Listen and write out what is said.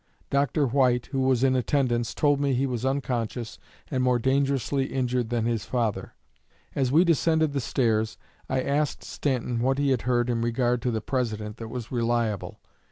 Doctor White, who was in attendance, told me he was unconscious and more dangerously injured than his father.... As we descended the stairs, I asked Stanton what he had heard in regard to the President that was reliable.